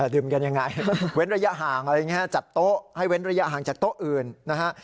ดื่มกันยังไงเว้นระยะห่างอะไรอย่างนี้ฮะจัดโต๊ะให้เว้นระยะห่างจากโต๊ะอื่นนะฮะ